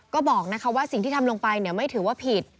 ก็บอกว่าสิ่งที่ทำลงไปไม่ถือว่าผิด